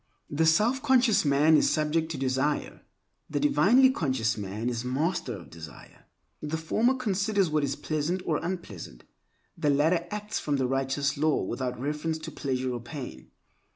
The self conscious man is subject to desire; the divinely conscious man is master of desire. The former considers what is pleasant or unpleasant; the latter acts from the righteous law without reference to pleasure or pain.